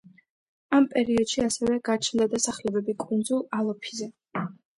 ამ პერიოდში ასევე გაჩნდა დასახლებები კუნძულ ალოფიზე.